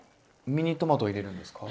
ミニトマトを入れるんですか？